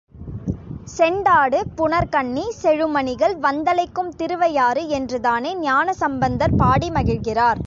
செண்டாடு புனற் கன்னி, செழுமணிகள் வந்தலைக்கும் திருவையாறு என்றுதானே ஞானசம்பந்தர் பாடி மகிழ்கிறார்.